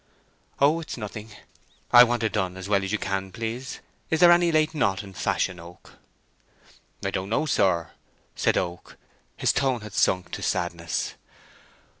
"Oh, it's nothing. I want it done as well as you can, please. Is there any late knot in fashion, Oak?" "I don't know, sir," said Oak. His tone had sunk to sadness.